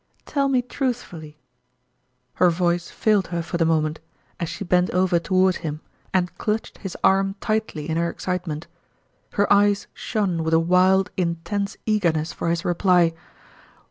Tell me truthfully ..." Her voice failed her for the moment, as she bent over toward him, and clutched his arm tightly in her excitement; her eyes shone with a wild, intense eagerness for his reply.